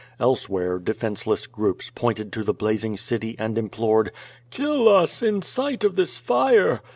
Elsewhere, defencelesee groups pointed to the blaz ing city and implored, "Kill us in sight of this fire!"